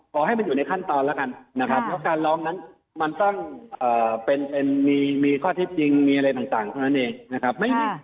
ปอล์ให้มันอยู่ในขั้นตอนแล้วนะครับ